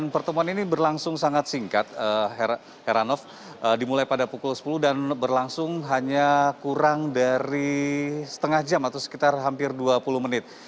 dan pertemuan ini berlangsung sangat singkat herano dimulai pada pukul sepuluh dan berlangsung hanya kurang dari setengah jam atau sekitar hampir dua puluh menit